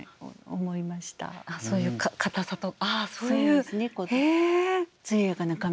そういうかたさとかそういうへえ！